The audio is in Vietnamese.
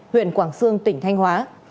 huyện quảng sương tỉnh thanh hóa